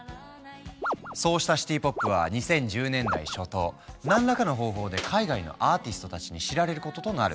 そうしたシティ・ポップは２０１０年代初頭何らかの方法で海外のアーティストたちに知られることとなる。